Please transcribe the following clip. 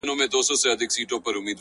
• پلنډه نه وه د طلاوو خزانه وه ,